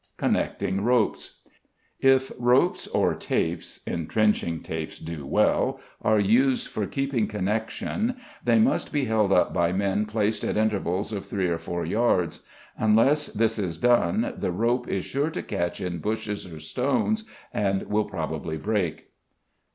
Connecting Ropes. If ropes or tapes (entrenching tapes do well) are used for keeping connection, they must be held up by men placed at intervals of three or four yards. Unless this is done the rope is sure to catch in bushes or stones, and will probably break.